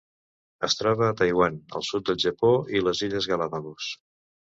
Es troba a Taiwan, el sud del Japó i les Illes Galápagos.